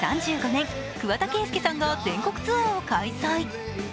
３５年、桑田佳祐さんが全国ツアーを開催。